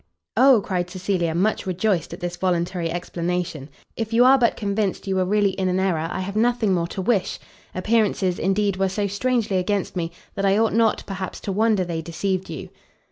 "O," cried Cecilia, much rejoiced at this voluntary explanation, "if you are but convinced you were really in an error, I have nothing more to wish. Appearances, indeed, were so strangely against me, that I ought not, perhaps, to wonder they deceived you."